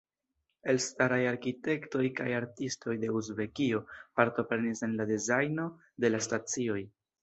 Elstaraj arkitektoj kaj artistoj de Uzbekio partoprenis en la dezajno de la stacioj.